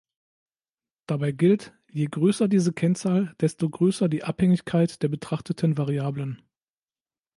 Dabei gilt: Je größer diese Kennzahl, desto größer die Abhängigkeit der betrachteten Variablen.